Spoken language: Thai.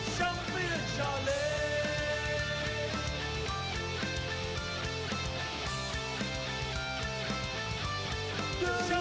ชัมปียนชัลเลนจ์